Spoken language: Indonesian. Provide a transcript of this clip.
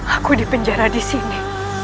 aku dipenjara disini